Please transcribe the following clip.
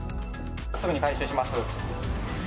すぐに回収します。